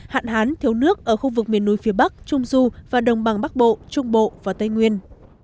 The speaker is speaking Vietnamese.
hạn hán thiếu nước ở khu vực miền núi phía bắc trung du và đồng bằng bắc bộ trung bộ và tây nguyên